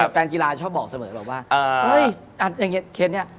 แฟนกีฬาชอบบอกเสมอเหรอว่าอย่างเงี้ยแคนเนี่ย